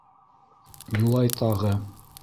Юлай тағы: